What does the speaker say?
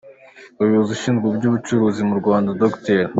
Umuyobozi ushinzwe iby’ubucukuzi mu Rwanda, Dr.